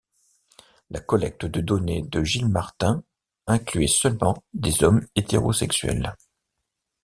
La collecte de données de Gilmartin incluait seulement des hommes hétérosexuels.